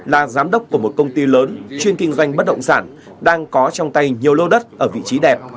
là giám đốc của một công ty lớn chuyên kinh doanh bất động sản đang có trong tay nhiều lô đất ở vị trí đẹp